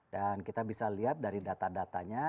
dan kita bisa lihat dari data datanya